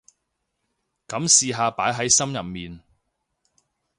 噉試下擺喺心入面